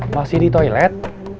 masih di toilet